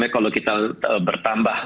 kalau kita bertambah